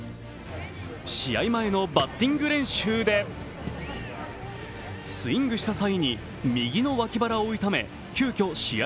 試合前のバッティング練習でスイングした際に右の脇腹を痛め急きょ試合